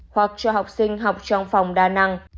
hoặc cho học sinh học trong phòng đa năng